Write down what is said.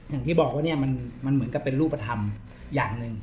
อย่างที่บอกว่าเนี่ยมันเหมือนกับเป็นรูปธรรมอย่างหนึ่ง